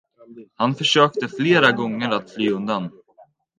Han försökte flera gånger att fly undan.